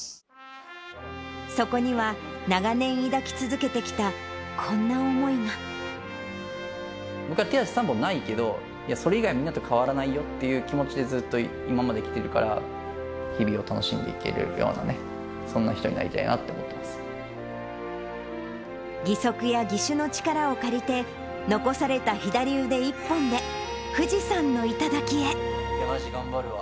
そこには長年抱き続けてきた僕は手足３本ないけど、それ以外みんなと変わらないよっていう気持ちでずっと今まで来てるから、日々を楽しんでいけるような、そんな人になりたいなと思ってま義足や義手の力を借りて、残された左腕一本で、富士山の頂へ。